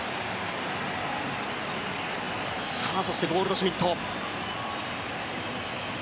さあ、そしてゴールドシュミット。